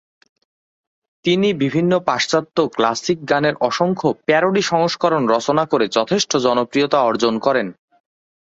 তিনি বিভিন্ন পাশ্চাত্য ক্লাসিক গানের অসংখ্য "প্যারোডি" সংস্করণ রচনা করে যথেষ্ট জনপ্রিয়তা অর্জন করেন।